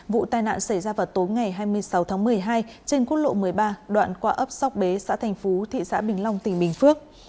vụ tai nạn xảy ra vào tối ngày hai mươi sáu tháng một mươi hai trên quốc lộ một mươi ba đoạn qua ấp sóc bế xã thành phú thị xã bình long tỉnh bình phước